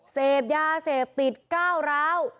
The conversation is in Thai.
เสพยาเสพติดก้าวร้าว